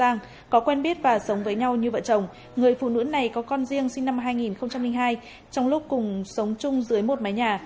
người phụ nữ này có con riêng sinh năm hai nghìn hai trong lúc cùng sống chung dưới một mái nhà